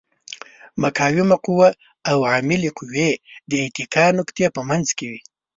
مقاومه قوه د عاملې قوې او د اتکا نقطې په منځ کې وي.